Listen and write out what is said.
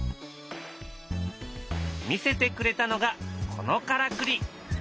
見せてくれたのがこのからくり。